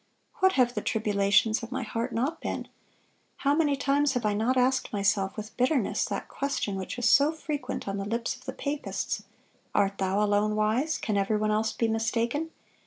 What have the tribulations of my heart not been! How many times have I not asked myself with bitterness that question which was so frequent on the lips of the papists: 'Art thou alone wise? Can every one else be mistaken?